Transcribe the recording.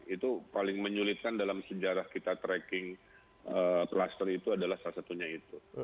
itu paling menyulitkan dalam sejarah kita tracking kluster itu adalah salah satunya itu